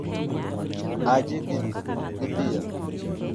Haji gi dhil